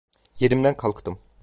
Yerimden kalktım.